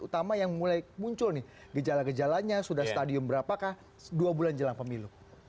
utama yang mulai muncul nih gejala gejalanya sudah stadium berapakah dua bulan jelang pemilu